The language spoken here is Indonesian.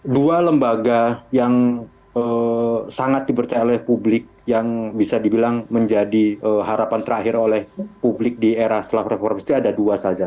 dua lembaga yang sangat dipercaya oleh publik yang bisa dibilang menjadi harapan terakhir oleh publik di era setelah reformasi itu ada dua saja